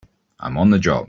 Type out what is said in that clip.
I'm on the job!